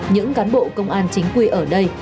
những cán bộ công an chính quy ở đây